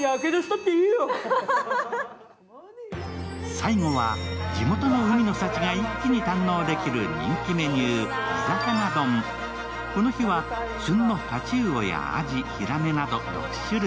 最後は地元の海の幸が一気に堪能できる人気メニュー、地魚丼、この日は旬の太刀魚やあじ、ひらめなど６種類。